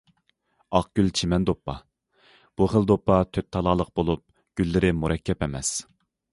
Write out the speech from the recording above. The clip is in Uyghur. ئاق گۈل چىمەن دوپپا— بۇ خىل دوپپا تۆت تالالىق بولۇپ، گۈللىرى مۇرەككەپ ئەمەس.